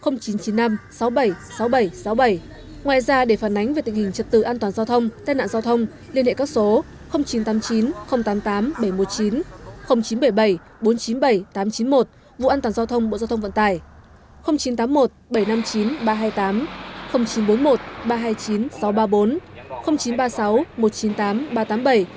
ngoài ra để phản ánh về tình hình trật tự an toàn giao thông tai nạn giao thông liên hệ các số chín trăm tám mươi chín tám mươi tám bảy trăm một mươi chín chín trăm bảy mươi bảy bốn trăm chín mươi bảy tám trăm chín mươi một vụ an toàn giao thông bộ giao thông vận tải